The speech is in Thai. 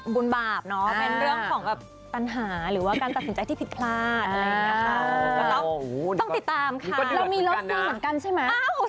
บุญบาปเนอะเหมือนเรื่องของแบบพันหาหรือการตัดสินใจที่ผิดพลาดอะไรนี่ค่ะ